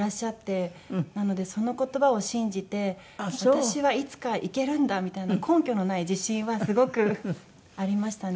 なのでその言葉を信じて「私はいつかいけるんだ」みたいな根拠のない自信はすごくありましたね。